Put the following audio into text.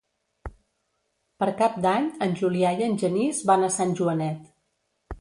Per Cap d'Any en Julià i en Genís van a Sant Joanet.